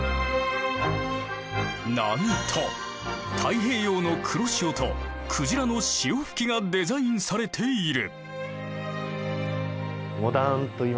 なんと太平洋の黒潮とクジラの潮吹きがデザインされている。